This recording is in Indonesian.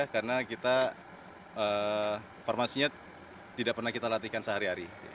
karena kita farmasinya tidak pernah kita latihkan sehari hari